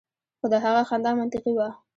خو د هغه خندا منطقي وه